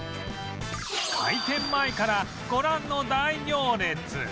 開店前からご覧の大行列